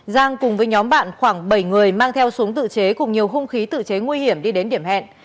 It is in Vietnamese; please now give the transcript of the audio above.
giang cùng với nhóm bạn khoảng bảy người mang theo súng tự chế cùng nhiều hung khí tự chế nguy hiểm đi đến điểm hẹn